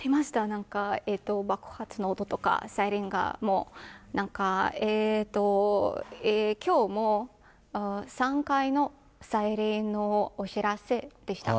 なんか、爆発の音とか、サイレンがもう、きょうも、３回のサイレンのお知らせでした。